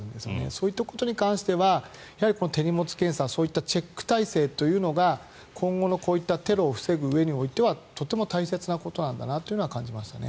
そういったことに関しては手荷物検査そういったチェック体制というのが今後、こういったテロを防ぐうえでとても大切なことなんだとは感じましたね。